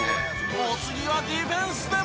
お次はディフェンスでも。